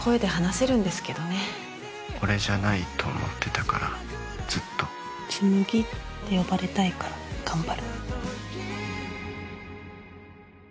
俺じゃないと思ってたから紬って呼ばれたいから頑張る。